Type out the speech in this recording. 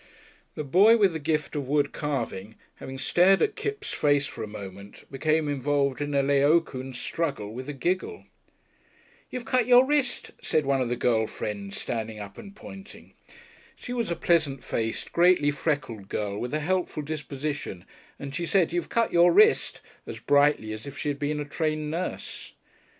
The boy with the gift of wood carving having stared at Kipps' face for a moment, became involved in a Laocoon struggle with a giggle. "You've cut your wrist," said one of the girl friends, standing up and pointing. She was a pleasant faced, greatly freckled girl, with a helpful disposition, and she said "You've cut your wrist," as brightly as if she had been a trained nurse.